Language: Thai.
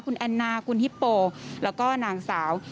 คุณแอนนาคุณฮิปโปแล้วก็นางสาว